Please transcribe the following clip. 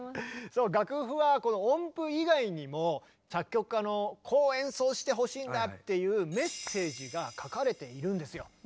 楽譜はこの音符以外にも作曲家の「こう演奏してほしいんだ」っていうメッセージが書かれているんですよ。